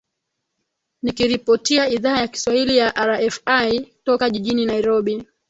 nikiripotia idhaa ya kiswahili ya rfi toka jijini nairobi